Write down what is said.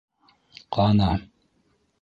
Ҡана...